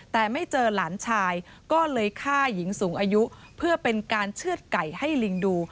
แต่ไม่เจอหลานชายก็เลยฆ่าหญิงสูงอายุเพื่อเป็นการเชื่อดไก่ให้ลิงดู